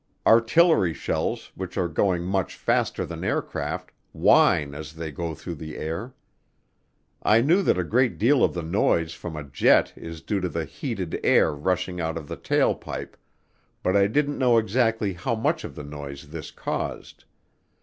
Artillery shells, which are going much faster than aircraft, whine as they go through the air. I knew that a great deal of the noise from a jet is due to the heated air rushing out of the tail pipe, but I didn't know exactly how much of the noise this caused.